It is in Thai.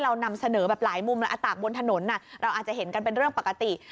เรานำเสนอแบบหลายมุมแล้วตากบนถนนเราอาจจะเห็นกันเป็นเรื่องปกติ